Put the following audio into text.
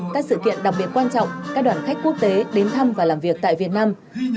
các sự kiện đặc biệt quan trọng các đoàn khách quốc tế đến thăm và làm việc tại việt nam